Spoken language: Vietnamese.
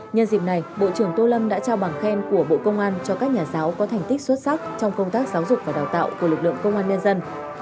nhân dịp này bộ trưởng tô lâm đã trao bằng khen của bộ công an cho các nhà giáo có thành tích xuất sắc trong công tác giáo dục và đào tạo của lực lượng công an nhân dân